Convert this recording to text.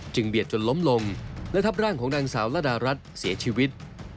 เบียดจนล้มลงและทับร่างของนางสาวละดารัฐเสียชีวิต